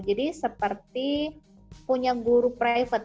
jadi seperti punya guru private